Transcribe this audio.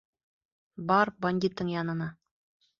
Бар бандитың янына!